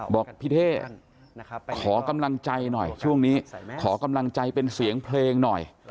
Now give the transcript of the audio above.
บอกพี่เท่ขอกำลังใจหน่อยช่วงนี้ขอกำลังใจเป็นเสียงเพลงหน่อย